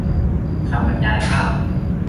คำบรรยายภาพ